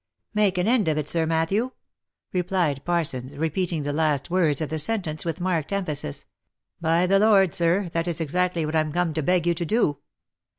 s " Make an end of it, Sir Matthew?" replied Parsons, repeating the last words of the sentence with marked emphasis, " by the Lord, sir, that is exactly what I'm come to beg you to do.